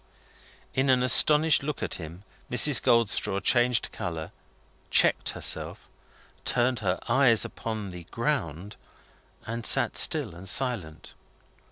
In an astonished look at him, Mrs. Goldstraw changed colour, checked herself, turned her eyes upon the ground, and sat still and silent.